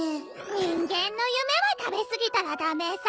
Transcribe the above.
人間の夢は食べ過ぎたら駄目さ。